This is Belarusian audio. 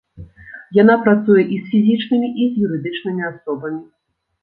Яна працуе і з фізічнымі, і з юрыдычнымі асобамі.